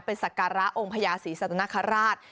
ไปสักการะองค์พระยาศีสัตว์นาคาราช